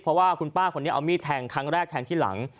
เพราะว่าคุณป้าคนนี้เอามีดแทงครั้งแรกแทงที่หลัง